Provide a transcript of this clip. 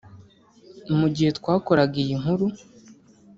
Mu gihe twakoraga iyi nkuru